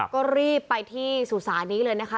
ก็รีบไปที่สุสานี้เลยนะคะ